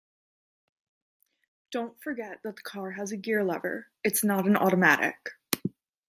Don't forget that the car has a gear lever; it's not an automatic